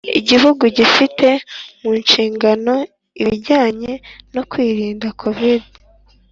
Igihugu gifite mu nshingano ibijyanye no kwirinda covid